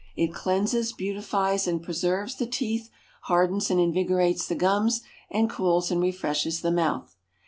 It cleanses, beautifies, and preserves the =TEETH=, hardens and invigorates the gums, and cools and refreshes the mouth.